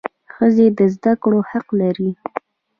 ښځي د زده کړو حق لري.